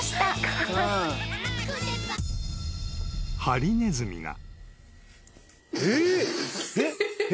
［ハリネズミが］